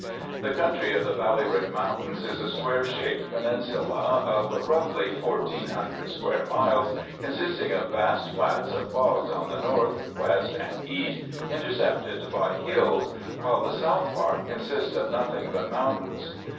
The country of the Ballyrick Mountains is a square shaped peninsula of, roughly, fourteen hundred square miles, consisting of vast flats of bogs on the north, west, and east, intercepted by hills, while the south part consists of nothing but mountains.